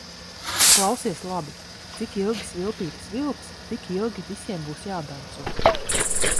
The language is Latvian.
Klausies labi: cik ilgi svilpīte svilps, tik ilgi visiem būs jādanco.